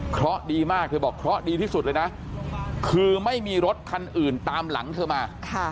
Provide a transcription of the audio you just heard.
เพราะดีมากเธอบอกเคราะห์ดีที่สุดเลยนะคือไม่มีรถคันอื่นตามหลังเธอมา